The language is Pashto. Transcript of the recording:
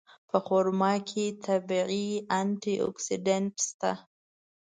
په خرما کې طبیعي انټي اکسېډنټ شته.